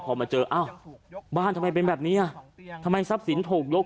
พอมาเจออ้าวบ้านทำไมเป็นแบบนี้อ่ะทำไมทรัพย์สินถูกยก